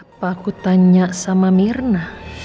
kenapa aku tanya sama mirna